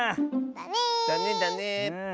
だねだね！